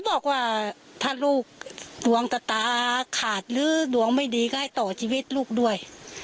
บอกว่าถ้าลูกดวงชะตาขาดหรือดวงไม่ดีก็ให้ต่อชีวิตลูกด้วย